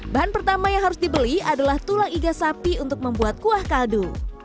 bahan pertama yang harus dibeli adalah tulang iga sapi untuk membuat kuah kaldu